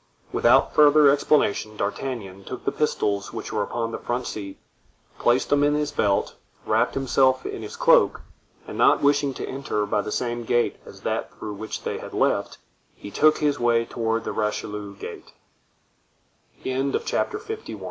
Without further explanation D'Artagnan took the pistols which were upon the front seat, placed them in his belt, wrapped himself in his cloak, and not wishing to enter by the same gate as that through which they had left, he took his way toward the Richelieu ga